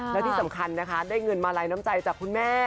และที่สำคัญนะคะได้เงินมาลัยน้ำใจจากคุณแม่